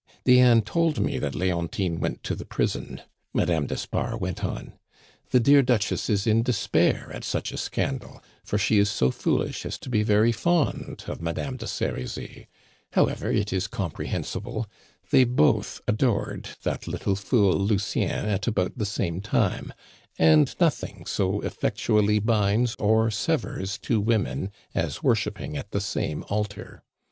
"Diane told me that Leontine went to the prison," Madame d'Espard went on. "The dear Duchess is in despair at such a scandal, for she is so foolish as to be very fond of Madame de Serizy; however, it is comprehensible: they both adored that little fool Lucien at about the same time, and nothing so effectually binds or severs two women as worshiping at the same altar.